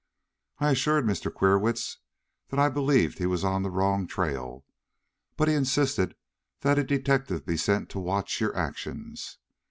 "I assured Mr. Queerwitz that I believed he was on the wrong trail, but he insisted that a detective be sent to watch your actions.